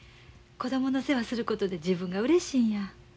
子供の世話することで自分がうれしいんや。